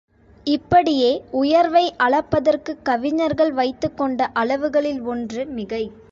இப்படியே உயர்வை அளப்பதற்குக் கவிஞர்கள் வைத்துக் கொண்ட அளவுகளில் ஒன்று மிகை.